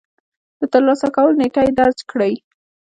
د ترلاسه کولو نېټه يې درج کړئ.